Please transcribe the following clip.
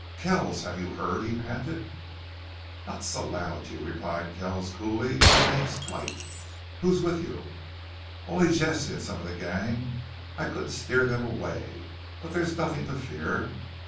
"Kells, have you heard?" he panted. "Not so loud, you !" replied Kells, coolly. "My name's Blight.... Who's with you?" "Only Jesse an' some of the gang. I couldn't steer them away. But there's nothin' to fear."